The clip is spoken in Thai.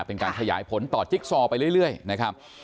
เป็นการขยายผลต่อจิ๊กซอไปเรื่อยนะครับ